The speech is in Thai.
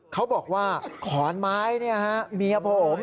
เขาบอกว่าขอนไม้เมียผม